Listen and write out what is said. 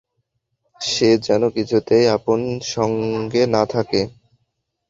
সে যেন কিছুতেই আপনার সঙ্গে না থাকে।